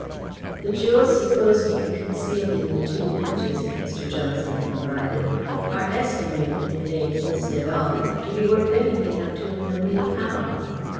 "The jewels supposed to be concealed in the two Images," Mr. Johnson confided, "are estimated, if they exist at all, to be worth anything up to a million pounds.